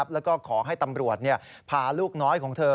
แล้วก็ขอให้ตำรวจพาลูกน้อยของเธอ